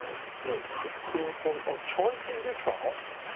最近できたの？